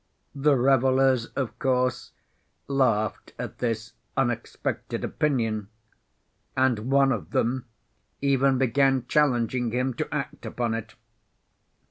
The revelers, of course, laughed at this unexpected opinion; and one of them even began challenging him to act upon it.